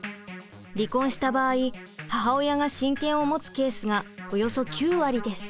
離婚した場合母親が親権を持つケースがおよそ９割です。